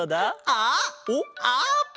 あっあーぷん！